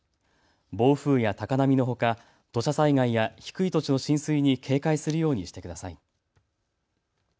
暴風や高波のほか土砂災害や低い土地の浸水に警戒するようにしてください。